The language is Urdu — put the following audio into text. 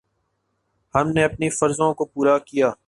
ہم نے اپنے فرضوں کو پورا کیا۔